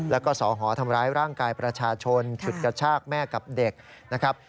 แล้วก็สอหอทำร้ายร่างกายประชาชนฉุดกระชากแม่กับเด็กนะครับ